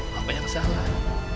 papa yang salah